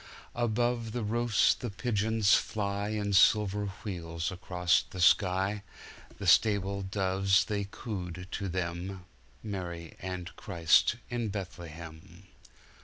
Above the roofs the pigeons flyIn silver wheels across the sky. The stable doves they cooed to them, Mary and Christ in Bethlehem.